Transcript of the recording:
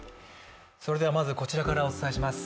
それではまずこちらからお伝えします。